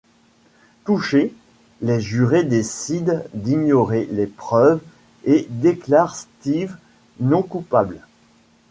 Touchés, les jurés décident d'ignorer les preuves et déclarent Steve non coupable.